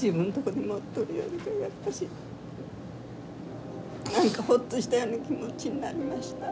自分とこに持っとるよりかやっぱし何かホッとしたような気持ちになりました。